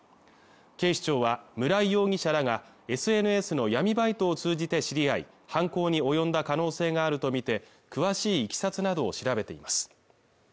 警視庁は村井容疑者らがＳＮＳの闇バイトを通じて知り合い犯行に及んだ可能性があると見て詳しいいきさつなどを調べています